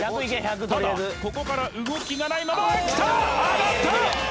ただここから動きがないきた！